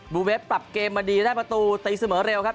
ูเวฟปรับเกมมาดีได้ประตูตีเสมอเร็วครับ